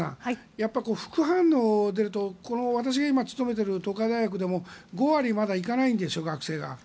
やっぱり副反応が出ると私が今勤めている東海大学でも５割まだ行かないんです学生が。